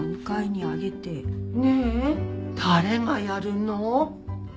ねえ誰がやるの？